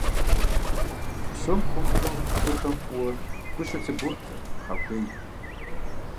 Псом хуэмыдэу абыхэм фӀыуэ гу щылъыботэ пхъэхуейм.